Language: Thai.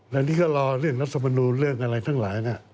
อันนี้ก็รอเรื่องรัฐมนูลเรื่องอะไรทั้งหลาย